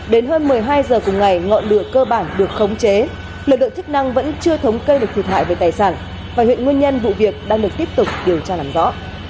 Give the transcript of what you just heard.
đến hơn một mươi hai h cùng ngày ngọn lửa cơ bản được khống chế lực lượng chức năng vẫn chưa thống cây được thiệt hại về tài sản và hiện nguyên nhân vụ việc đang được tiếp tục điều tra làm rõ